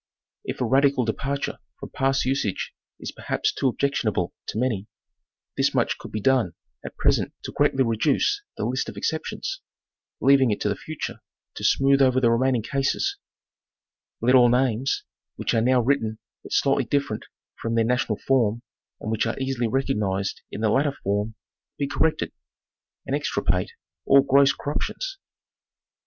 If a radical departure from past usage is perhaps too objection able to many, this much could be done at present to greatly reduce the list of exceptions, leaving it to the future to smooth over the remaining cases: let all names which are now written but slightly different from their national form and which are easily recognized in the latter form, be corrected, and extirpate all gross ~ Geographic Nomenclature. 267 corruptions.